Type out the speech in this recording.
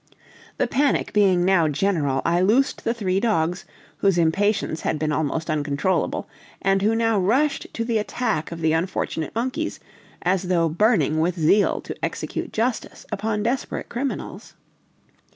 The panic being now general, I loosed the three dogs, whose impatience had been almost uncontrollable, and who now rushed to the attack of the unfortunate monkeys, as though burning with zeal to execute justice upon desperate criminals.